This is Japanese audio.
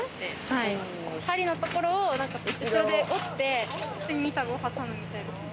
針のところを折って耳たぶを挟むみたいな。